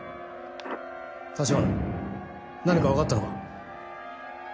橘何か分かったのか？